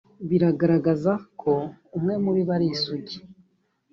bigaragaza ko umwe muri bo ari isugi